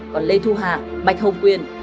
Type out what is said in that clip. còn lê thu hà bạch hồng quyền